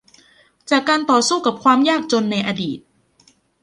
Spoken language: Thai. จากการต่อสู้กับความยากจนในอดีต